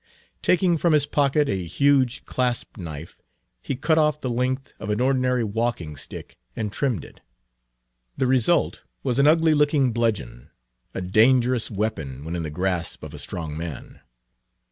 Taking from his pocket a huge clasp knife, he cut off the length of an ordinary walking stick and trimmed it. The result Page 319 was an ugly looking bludgeon, a dangerous weapon when in the grasp of a strong man.